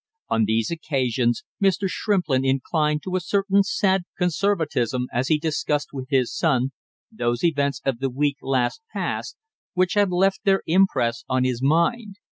On these occasions Mr. Shrimplin inclined to a certain sad conservatism as he discussed with his son those events of the week last passed which had left their impress on his mind.